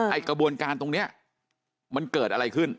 กระบวนการตรงนี้มันเกิดอะไรขึ้น